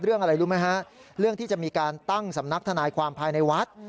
เรื่องอะไรรู้ไหมฮะเรื่องที่จะมีการตั้งสำนักทนายความภายในวัด